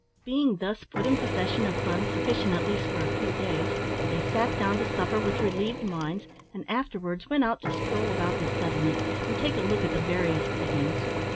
Being thus put in possession of funds sufficient at least for a few days, they sat down to supper with relieved minds, and afterwards went out to stroll about the settlement, and take a look at the various diggings.